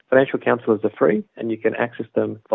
anda bisa menghubungi mereka melalui helpline keuangan nasional